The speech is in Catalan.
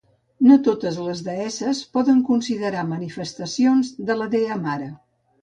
No totes les deesses poden considerar manifestacions de la dea mare.